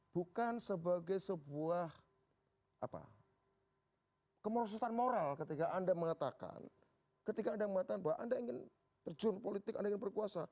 bukan sebagai sebuah kemerosotan moral ketika anda mengatakan ketika anda mengatakan bahwa anda ingin terjun politik anda ingin berkuasa